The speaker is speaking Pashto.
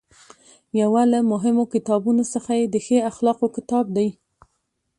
یو له مهمو کتابونو څخه یې د ښې اخلاقو کتاب دی.